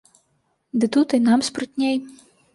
Ды тут і нам спрытней.